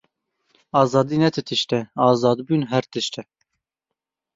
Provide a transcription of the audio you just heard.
Azadî ne ti tişt e, azadbûn her tişt e.